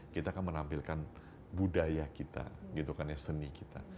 kita akan menampilkan budaya kita gitu kan ya seni kita